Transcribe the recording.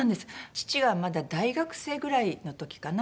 父がまだ大学生ぐらいの時かな？